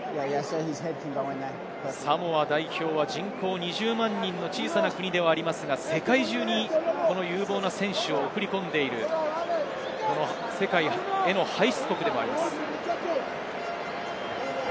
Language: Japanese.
サモア代表は人口２０万人の小さな国ではありますが、世界中に有望な選手を送り込んでいる世界への輩出国でもあります。